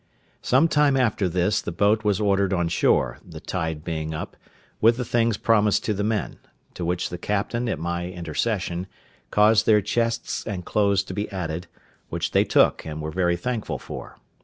Some time after this, the boat was ordered on shore, the tide being up, with the things promised to the men; to which the captain, at my intercession, caused their chests and clothes to be added, which they took, and were very thankful for.